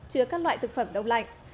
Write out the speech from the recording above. chứa các loại thực phẩm đông lạnh